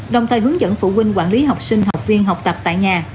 đồng thời hướng dẫn phụ huynh quản lý học sinh học viên học tập tại nhà